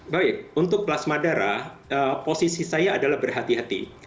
baik untuk plasma darah posisi saya adalah berhati hati